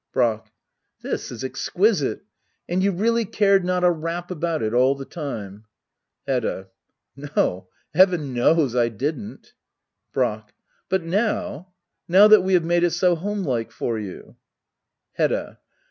Brack. This is exquisite ! And you really cared not a rap about it all the time ? Hedda. No^ heaven knows I didn't. Brack. But now? Now that we have made it so homelike for you f Hedda.